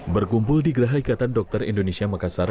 berkumpul di geraha ikatan dokter indonesia makassar